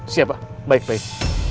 siap pak baik baik